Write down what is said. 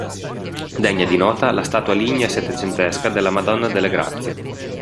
Degna di nota la statua lignea settecentesca della Madonna delle Grazie.